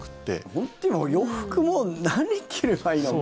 本当に今、洋服もう何着ればいいのか。